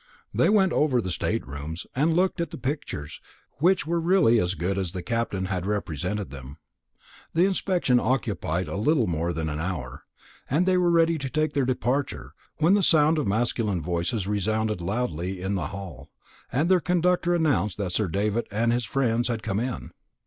They went over the state rooms, and looked at the pictures, which were really as good as the Captain had represented them. The inspection occupied a little more than an hour, and they were ready to take their departure, when the sound of masculine voices resounded loudly in the hall, and their conductor announced that Sir David and his friends had come in.